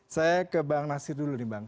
saya ke bang nasir dulu nih bang